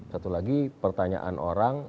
satu lagi pertanyaan orang